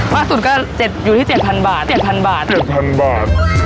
มากสุดก็เจ็ดอยู่ที่เจ็ดพันบาทเจ็ดพันบาทเจ็ดพันบาท